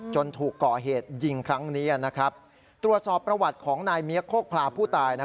จนถูกก่อเหตุยิงครั้งเนี่ยนะครับตรวจสอบประวัติของนายเมี๊ยะโคกพลาผู้ตายนะ